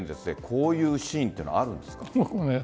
こういうシーンはあるんですか？